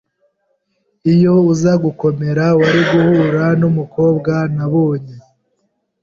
Iyo uza gukomera, wari guhura numukobwa nabonye.